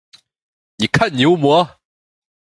你看牛魔？